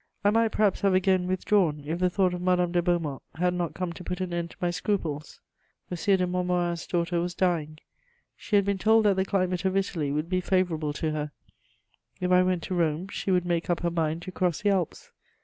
I might perhaps have again withdrawn, if the thought of Madame de Beaumont had not come to put an end to my scruples. M. de Montmorin's daughter was dying; she had been told that the climate of Italy would be favourable to her; if I went to Rome she would make up her mind to cross the Alps.